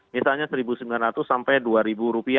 misalnya rp satu sembilan ratus sampai rp dua